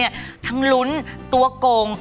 หน้านั่งขัน